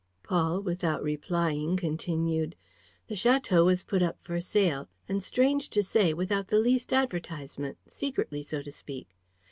Paul, without replying, continued: "The château was put up for sale and, strange to say, without the least advertisement, secretly, so to speak.